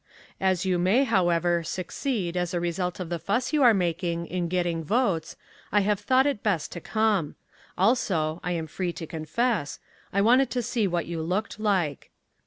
As you may, however, succeed as a result of the fuss that you are making, in getting votes, I have thought it best to come. Also, I am free to confess, I wanted to see what you looked like.